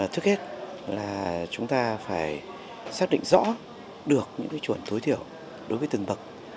thứ kết là chúng ta phải xác định rõ được những cái chuẩn tối thiểu đối với từng bậc